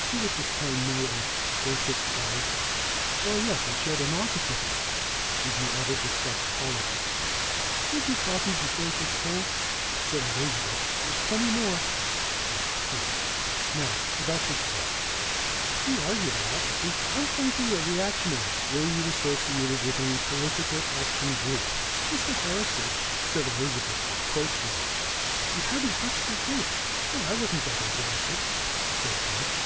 Did you at this time know a Joseph Barrett?" "Well, yes, I shared an office with him." "Did you ever discuss politics with him?" "Drink your coffee before it gets cold," said Elizabeth. "There's plenty more." "Oh thanks. Now, about this Barrett?" "We argued a lot. You see, I'm frankly a reactionary " "Were you associated with any political action group?" "Mr. Horrisford," said Elizabeth reproachfully, "you haven't touched your cake." "No, I wasn't that interested," said Arch.